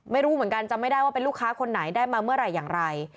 ไม่รู้เหมือนกันจำไม่ได้ว่าเป็นลูกค้าคนไหนได้มาเมื่อไหร่อย่างไร